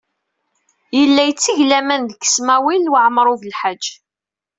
Yella yetteg laman deg Smawil Waɛmaṛ U Belḥaǧ.